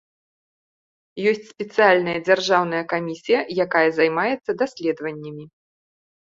Ёсць спецыяльная дзяржаўная камісія, якая займаецца даследаваннямі.